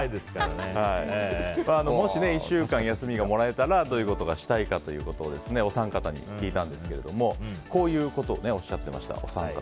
もし、１週間休みがもらえたら、どういうことがしたいかということをお三方に聞いたんですけどもこういうことをおっしゃっていました。